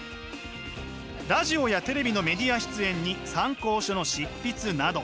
ラジオやテレビのメディア出演に参考書の執筆など。